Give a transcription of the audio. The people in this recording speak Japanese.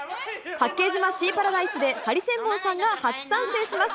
八景島シーパラダイスで、ハリセンボンさんが初参戦します。